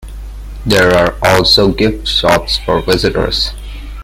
There are also gift shops for visitors.